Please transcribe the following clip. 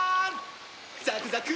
ザクザク！